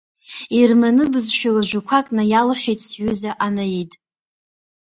Ерманы бызшәала ажәақәак наиалҳәеит сҩыза Анаид.